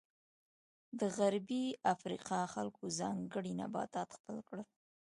د غربي افریقا خلکو ځانګړي نباتات خپل کړل.